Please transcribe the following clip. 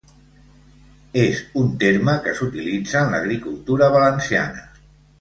És un terme que s'utilitza en l'agricultura valenciana.